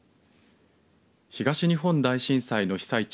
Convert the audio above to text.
東日本大震災の被災地